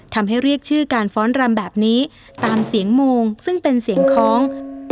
ทำให้เรียกชื่อการฟ้อนรำแบบนี้ตามเสียงโมงซึ่งเป็นเสียงคล้อง